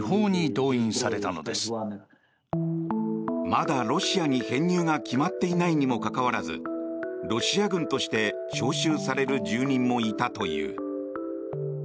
まだロシアに編入が決まっていないにもかかわらずロシア軍として招集される住人もいたという。